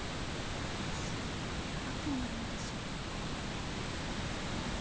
私悪魔なんでしょ？